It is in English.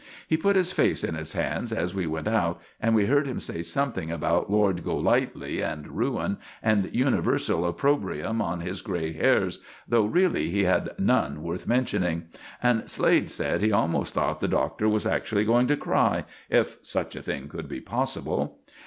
He put his face in his hands as we went out, and we heard him say something about Lord Golightly and ruin, and universal opprobrium on his gray hairs, though really he had none worth mentioning; and Slade said he almost thought the Doctor was actually going to cry, if such a thing could be possible.